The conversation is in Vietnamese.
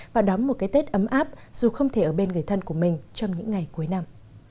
và đắm một cái tết ấm áp dù không thể ở bên người thân của mình trong những ngày cuối năm